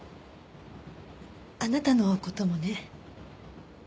あなたの事もね。